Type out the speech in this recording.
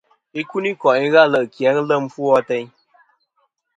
Ikuniko'i ghɨ ale' ki a ghɨ lem ɨfwo ateyn.